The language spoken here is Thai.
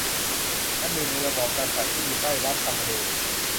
อนึ่ง ในระบอบที่กษัตริย์อยู่ใต้รัฐธรรมนูญ